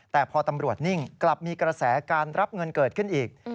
แต่พอตำรวจนิ่งกลับมีกระแสการรับเงินเกิดขึ้นอีก